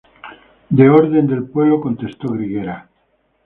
De orden del pueblo contestó Grigera.